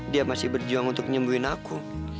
dia masih berjuang untuk nyembuhin aku